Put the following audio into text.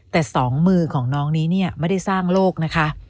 แต่สองมือของน้องนี้เนี่ยไม่ได้สร้างโลกนะคะ